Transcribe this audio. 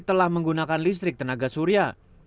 telah menggunakan listrik tenaga surya